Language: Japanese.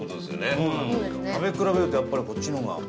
東山：食べ比べるとやっぱり、こっちの方が。